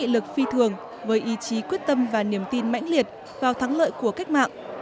lực phi thường với ý chí quyết tâm và niềm tin mãnh liệt vào thắng lợi của cách mạng